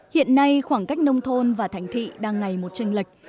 hiện nay khoảng cách nông thôn và thành thị đang ngày một tranh lệch